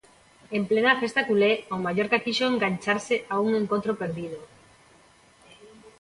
En plena festa culé o Mallorca quixo engancharse a un encontro perdido.